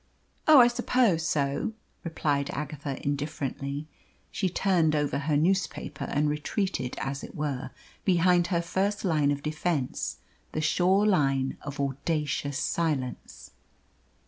"Oh, I suppose so," replied Agatha indifferently. She turned over her newspaper and retreated, as it were, behind her first line of defence the sure line of audacious silence.